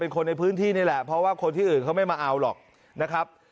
คนในพื้นที่นี่แหละเพราะว่าคนที่อื่นเขาไม่มาเอาหรอกนะครับ